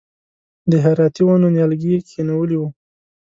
د هراتي ونو نیالګي یې کښېنولي و.